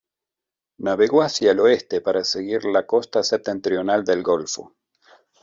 Navegó hacia el oeste para seguir la costa septentrional del Golfo.